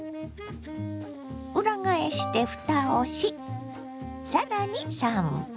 裏返してふたをし更に３分。